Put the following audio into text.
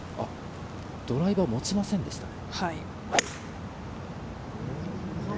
ドライバーを持ちませんでしたね。